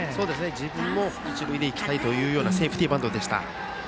自分も一塁で生きたいというセーフティーバントでした。